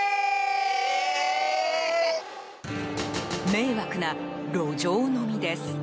迷惑な路上飲みです。